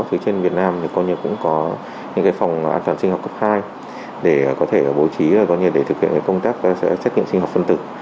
trên việt nam cũng có những phòng an toàn sinh học cấp hai để có thể bố trí thực hiện công tác xét nghiệm sinh học phân tử